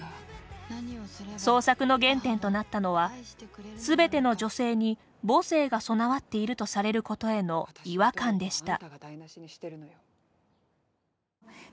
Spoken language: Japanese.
創作の原点となったのはすべての女性に母性が備わっているとされることへの違和感でした。